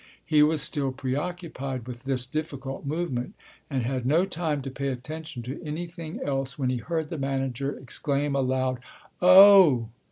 He was still preoccupied with this difficult movement and had no time to pay attention to anything else, when he heard the manager exclaim a loud "Oh!"